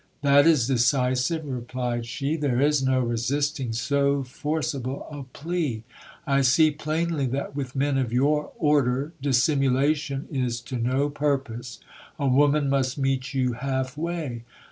That is decisive, replied she, there is no resisting so forcible a plea. I see plainly that with men of your order dissimulation is to no purpose ; a woman must meet you half way.